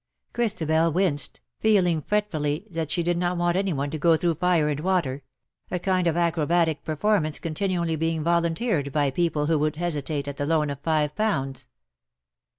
'^ Christabel winced, feeling fretfully that she did c 2 CO "alas for me then, not want any one to go through fire and water; a kind of acrobatic performance continually being volunteered by people who would hesitate at the loan of five pounds.